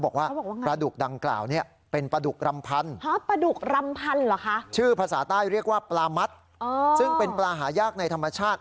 คือภาษาใต้เรียกว่าปลามัดอ๋อซึ่งเป็นปลาหายากในธรรมชาติ